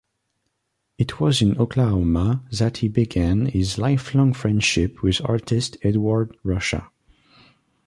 It was in Oklahoma that he began his lifelong friendship with artist Edward Ruscha.